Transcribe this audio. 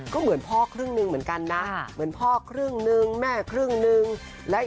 ก็เหมือนพ่อเขินหนึ่งเหมือนกันนะเหมือนพ่อรึหนึ่งแม่ครั่งมาก